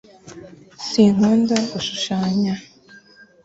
sinkunda gushushanya